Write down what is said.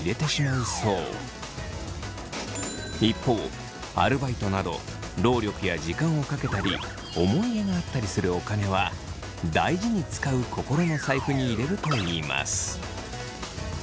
一方アルバイトなど労力や時間をかけたり思い入れがあったりするお金は大事につかう心の財布に入れるといいます。